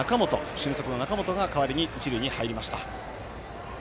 俊足の中本が代わりに一塁に入りました。